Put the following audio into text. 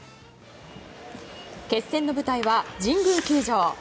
決戦の舞台は神宮球場。